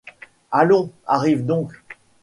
Allons, arrive donc !